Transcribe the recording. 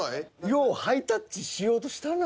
ようハイタッチしようとしたな。